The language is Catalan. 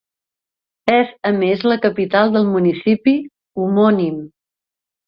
És a més la capital del municipi homònim.